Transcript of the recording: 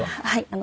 はい。